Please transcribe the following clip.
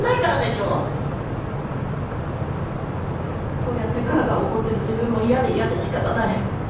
こうやってがあがあ怒ってる自分も嫌で嫌で仕方ない。